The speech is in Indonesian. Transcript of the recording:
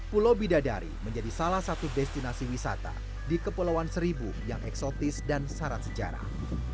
pulau bidadari menjadi salah satu destinasi wisata di kepulauan seribu yang eksotis dan syarat sejarah